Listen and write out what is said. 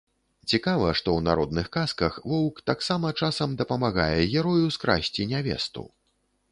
Цікава, што ў народных казках воўк таксама часам дапамагае герою скрасці нявесту.